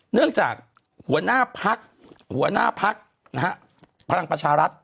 เนื่องจากหัวหน้าพักษ์พลังประชารัฐ